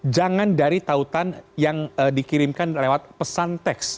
jangan dari tautan yang dikirimkan lewat pesan teks